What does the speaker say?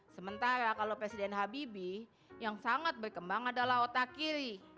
sementara kalau presiden habibie yang sangat berkembang adalah otak kiri